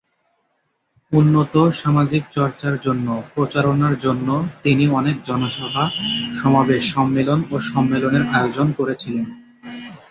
উন্নত সামাজিক চর্চার জন্য প্রচারণার জন্য তিনি অনেক জনসভা, সমাবেশ, সম্মেলন ও সম্মেলনের আয়োজন করেছিলেন।